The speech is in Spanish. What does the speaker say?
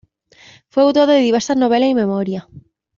Fue autor de diversas novelas y memorias.